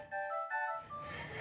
mbak harun mbak issa